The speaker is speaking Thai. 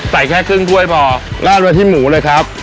แค่ครึ่งถ้วยพอลาดไว้ที่หมูเลยครับ